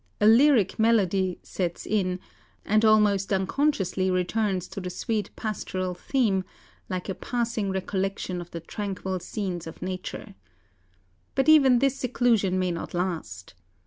A lyric melody ... sets in, and almost unconsciously returns to the sweet pastoral theme, like a passing recollection of the tranquil scenes of nature. But even this seclusion may not last.